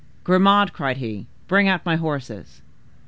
"Grimaud!" cried he, "bring out my horses."